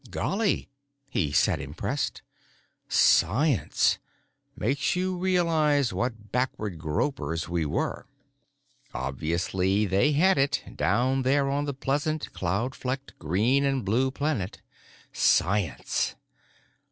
"Golly," he said, impressed. "Science! Makes you realize what backward gropers we were." Obviously they had it, down there on the pleasant, cloud flecked, green and blue planet. Science!